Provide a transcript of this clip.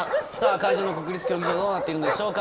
会場の国立競技場どうなっているんでしょうか。